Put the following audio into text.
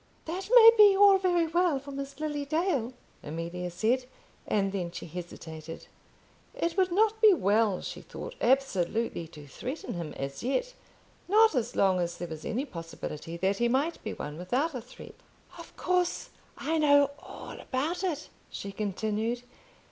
"That may be all very well for Miss Lily Dale " Amelia said, and then she hesitated. It would not be well, she thought, absolutely to threaten him as yet, not as long as there was any possibility that he might be won without a threat. "Of course I know all about it," she continued.